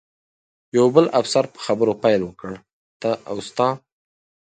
یو بل افسر په خبرو پیل وکړ، ته او ستا.